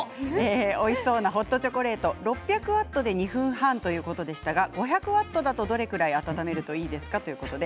おいしそうなホットチョコレート６００ワットで２分半ということでしたが、５００ワットだとどれくらい温めるといいですかということです。